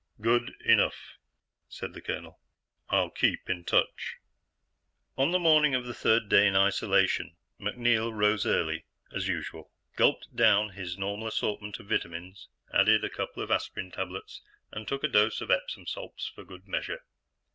"Good enough," said the colonel. "I'll keep in touch." On the morning of the third day in isolation, MacNeil rose early, as usual, gulped down his normal assortment of vitamins, added a couple of aspirin tablets, and took a dose of Epsom salts for good measure.